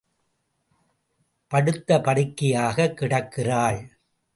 படுத்த படுக்கையாகக் கிடக்கிறாள்.